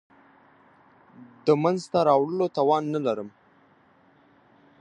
د منځته راوړلو توان نه لري.